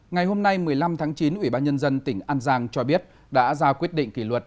ngày hôm nay một mươi năm tháng chín ủy ban nhân dân tỉnh an giang cho biết đã ra quyết định kỷ luật